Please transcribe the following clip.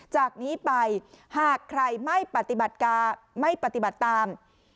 จากนี้ไปหากใครไม่ปฏิบัติการไม่ปฏิบัติตาม